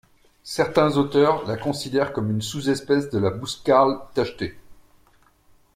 Certains auteurs la considèrent comme une sous-espèce de la Bouscarle tachetée.